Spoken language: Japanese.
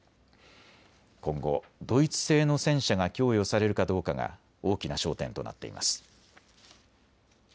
今後、ドイツ製の戦車が供与されるかどうかが大きな焦点となっています。